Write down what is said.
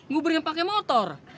ngubur yang pake motor